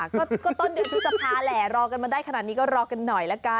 ก็ต้นเดือนพฤษภาแหละรอกันมาได้ขนาดนี้ก็รอกันหน่อยละกัน